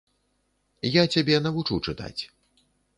Я цябе навучу чытаць.